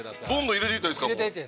◆入れていっていいです。